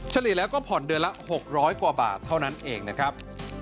เฉลี่ยแล้วก็ผ่อนเดือนละ๖๐๐กว่าบาทเท่านั้นเองนะครับ